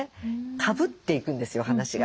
かぶっていくんですよ話が。